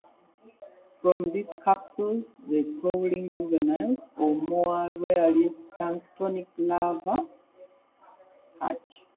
From these capsules the crawling juveniles, or more rarely planktonic larvae, hatch.